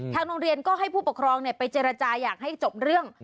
โรงเรียนก็ให้ผู้ปกครองไปเจรจาอยากให้จบเรื่อง